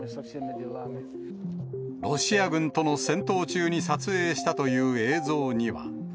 ロシア軍との戦闘中に撮影したという映像には。